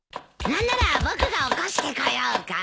何なら僕が起こしてこようか？